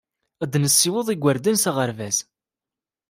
Ad nessiweḍ igerdan s aɣerbaz.